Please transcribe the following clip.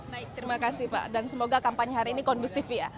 baik terima kasih pak dan semoga kampanye hari ini kondusif ya